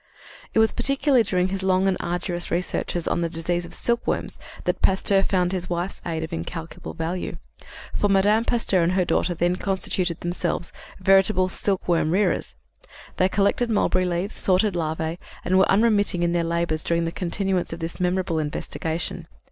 " It was particularly during his long and arduous researches on the disease of silkworms that Pasteur found his wife's aid of incalculable value. For Mme. Pasteur and her daughter then constituted themselves veritable silkworm rearers. They collected mulberry leaves, sorted larvæ, and were unremitting in their labors during the continuance of this memorable investigation.